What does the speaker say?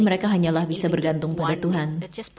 mereka hanyalah bisa bergantung pada tuhan